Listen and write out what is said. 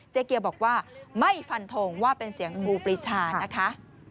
เกียวบอกว่าไม่ฟันทงว่าเป็นเสียงครูปรีชานะคะ